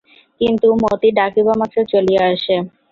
কিন্তু মতি ডাকিবামাত্র চলিয়া আসে।